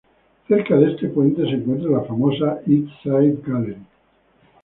Cerca de este puente se encuentra la famosa East Side Gallery.